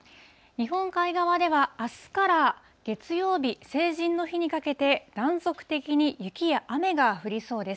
日本海側ではあすから月曜日、成人の日にかけて、断続的に雪や雨が降りそうです。